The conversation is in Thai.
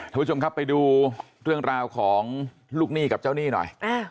ทุกผู้ชมครับไปดูเรื่องราวของลูกหนี้กับเจ้าหนี้หน่อย